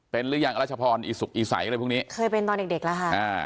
เป็นหรือยังรัชพรอีสุกอีใสอะไรพวกนี้เคยเป็นตอนเด็กเด็กแล้วค่ะอ่า